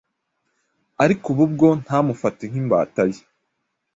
ariko ubu bwo ntamufate nk’imbata ye,